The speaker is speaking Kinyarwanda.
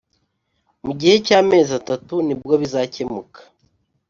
mu gihe cy amezi atatu nibwo bizakemuka